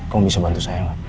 kamu bisa bantu saya lah